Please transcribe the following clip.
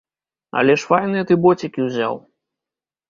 Але ж файныя ты боцікі ўзяў!